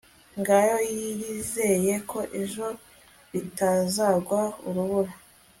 ngago yizeye ko ejo bitazagwa urubura